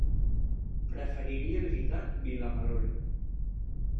Preferiria visitar Vilamalur.